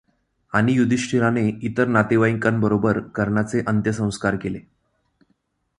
आणि युधिष्ठिराने इतर नातेवाइकांबरोबर कर्णाचे अंत्यसंस्कार केले.